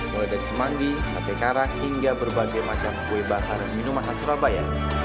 mulai dari semanggi sate karang hingga berbagai macam kue basah dan minuman khas surabaya